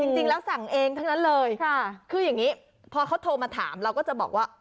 จริงแล้วสั่งเองทั้งนั้นเลยคืออย่างนี้พอเขาโทรมาถามเราก็จะบอกว่า